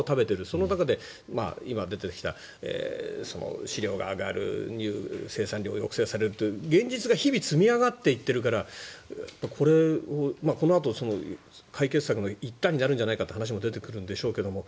その中で今出てきた飼料が上がる生産量が抑制されるって現実が日々積み上がっていっているからこのあと解決策の一端になるんじゃないかという話も出てくるんでしょうけど